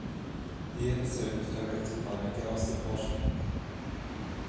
The episode was directed by Miguel Sapochnik.